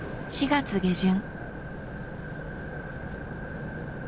４月下旬。